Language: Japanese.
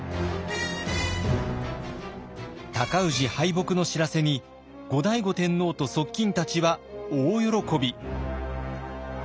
尊氏敗北の知らせに後醍醐天皇と側近たちは大喜び。